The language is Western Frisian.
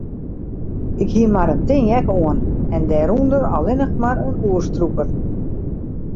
Ik hie mar in tin jack oan en dêrûnder allinnich mar in oerstrûper.